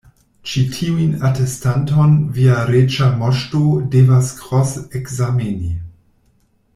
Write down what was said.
"Ĉi tiun atestanton via Reĝa Moŝto devas kros-ekzameni.